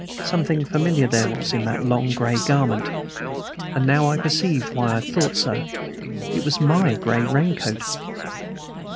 Something familiar there was in that long, gray garment, and now I perceived why I had thought so. It was my gray rain coat.